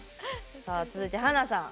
さあ続いて華さん。